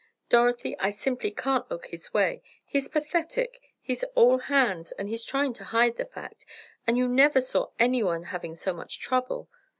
Dorothy, I simply can't look his way! He's pathetic, he's all hands, and he's trying to hide the fact, and you never saw anyone having so much trouble!